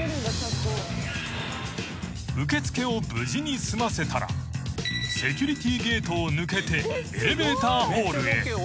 ［受け付けを無事に済ませたらセキュリティーゲートを抜けてエレベーターホールへ］